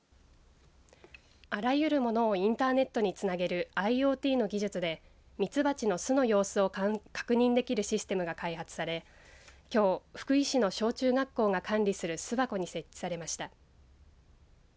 あらゆるものをインターネットにつなげるＩｏＴの技術で蜜蜂の巣の様子を確認できるシステムが開発されきょう、福井市の小中学校が管理する巣箱に設置されました。